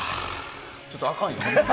ちょっと、あかんよ。